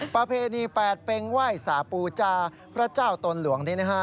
ประเพณี๘เป็นว่ายสาปูจาพระเจ้าตัวหลวงนี้